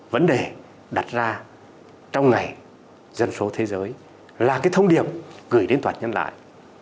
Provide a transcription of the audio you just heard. vấn đề đặt ra trong ngày dân số thế giới là thông điệp gửi đến toàn nhân loại